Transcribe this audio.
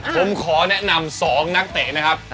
ผมขอแนะนำ๒นักเตะนะครับ